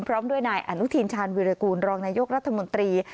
พร้อมด้วยนายอนุทินชาญวิรากูลรองนายกรัฐมนตรี